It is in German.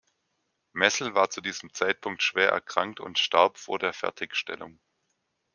Messel war zu diesem Zeitpunkt schwer erkrankt und starb vor der Fertigstellung.